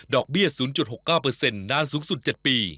ดอกเบี้ยศูนย์๐๖๙นานสูงสุด๗ปี